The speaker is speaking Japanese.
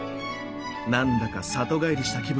何だか里帰りした気分。